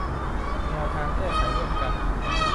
แนวทางแก้ไขร่วมกัน